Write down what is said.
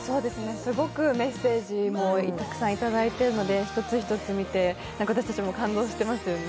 すごくメッセージもたくさんいただいているので一つ一つ見て私たちも感動していますよね。